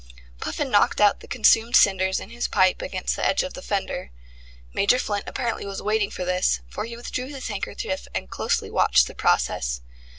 Puffin knocked out the consumed cinders in his pipe against the edge of the fender. Major Flint apparently was waiting for this, for he withdrew his handkerchief and closely watched the process.